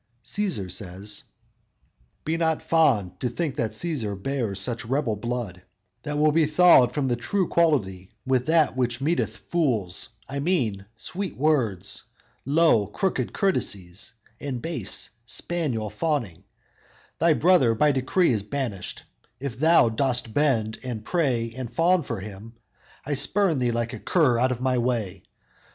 Cæsar says: _"Be not fond, To think that Cæsar bears such rebel blood, That will be thawed from the true quality, With that which meeteth fools; I mean, sweet words, Low, crooked courtesies, and base, spaniel fawning; Thy brother by decree is banished; If thou dost bend, and pray and fawn for him, I spurn thee like a cur out of my way.